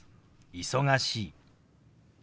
「忙しい」。